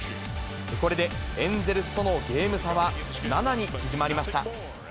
これで、エンゼルスとのゲーム差は７に縮まりました。